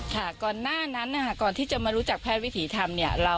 ก่อนหน้านั้นนะคะก่อนที่จะมารู้จักแพทย์วิถีธรรมเนี่ย